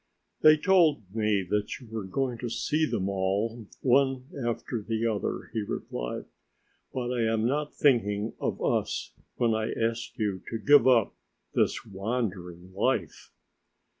"They told me that you were going to see them all, one after the other," he replied, "but I am not thinking of us when I ask you to give up this wandering life."